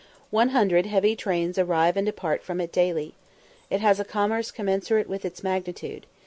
One hundred heavy trains arrive and depart from it daily. It has a commerce commensurate with its magnitude.